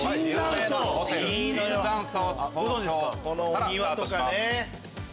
お庭とかね。